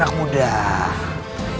kakek juga tidak tahu